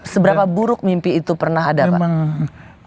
seberapa buruk mimpi itu pernah ada pak